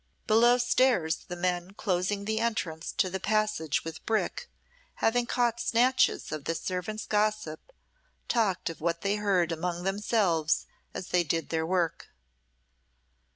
Below stairs the men closing the entrance to the passage with brick, having caught snatches of the servants' gossip, talked of what they heard among themselves as they did their work.